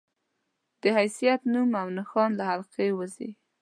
د حيثيت، نوم او نښان له حلقې ووځي